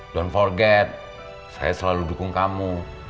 don forget saya selalu dukung kamu